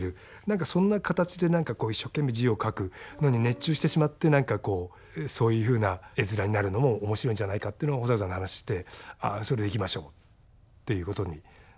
何かそんな形で何かこう一生懸命字を書くのに熱中してしまって何かこうそういうふうな絵面になるのも面白いんじゃないかというのを保坂さんと話してそれでいきましょうっていうことになったのかな